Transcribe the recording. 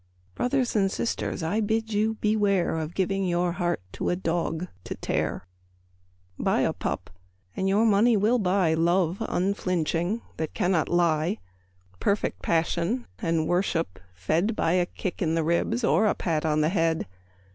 Brothers and sisters, I bid you beware Of giving your heart to a dog to tear. Buy a pup and your money will buy Love unflinching that cannot lie Perfect passion and worship fed By a kick in the ribs or a pat on the head.